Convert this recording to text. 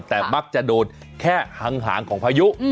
แต่มักจะโดนแค่หางของพายุ